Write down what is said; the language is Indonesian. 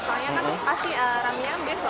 soalnya kan pasti alarmnya besok